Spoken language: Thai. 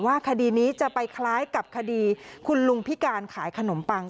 คดีนี้จะไปคล้ายกับคดีคุณลุงพิการขายขนมปัง